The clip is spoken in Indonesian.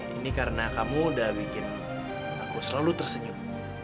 ini karena kamu udah bikin aku selalu tersenyum